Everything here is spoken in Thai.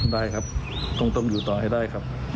ได้ครับต้องอยู่ต่อให้ได้ครับ